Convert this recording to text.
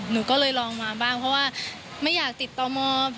หนูก็เลยลองมาบ้างเพราะว่าไม่อยากติดต่อมอบ